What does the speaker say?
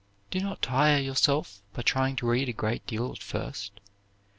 Do not tire yourself by trying to read a great deal at first.